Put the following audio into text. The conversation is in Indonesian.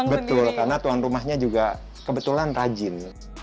betul karena tuan rumahnya juga kebetulan rajin